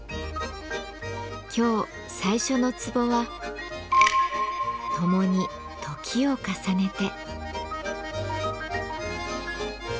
今日最初の壺は「共に時を重ねて」。